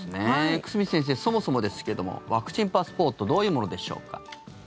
久住先生、そもそもですけどワクチンパスポートどういうものでしょうか？